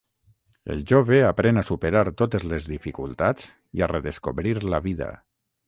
El jove aprèn a superar totes les dificultats i a redescobrir la vida.